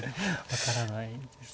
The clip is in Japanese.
分からないです。